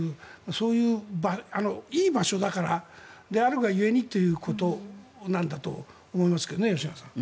そういういい場所だからであるが故にということなんだと思いますけどね、吉永さん。